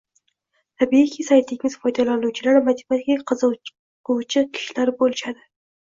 Tabiiyki, saytingiz foydalanuvchilari matematikaga qiziquvchi kishilar bo’lishadi